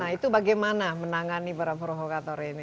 nah itu bagaimana menangani para provokator ini